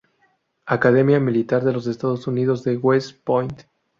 Academia Militar de los Estados Unidos de West Point.